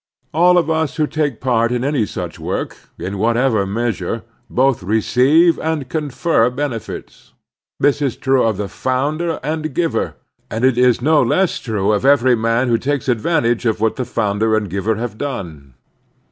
All of us who take part in any such work, in whatever measiu e, both receive and confer benefits. This is true of the foimder and giver, and it is no less true of every man who takes advantage of what the foimder and giver have done.